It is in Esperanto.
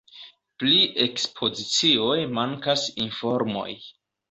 Pri ekspozicioj mankas informoj.